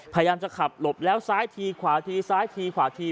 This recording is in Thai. พยายามจะขับหลบแล้วซ้ายทีขวาทีซ้ายทีขวาที